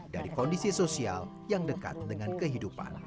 dari kondisi sosial yang dekat dengan kehidupan